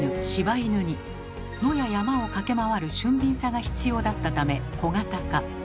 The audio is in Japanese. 野や山を駆け回る俊敏さが必要だったため小型化。